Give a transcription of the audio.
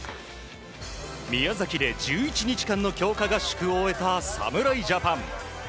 宮崎で１１日間の強化合宿を終えた侍ジャパン。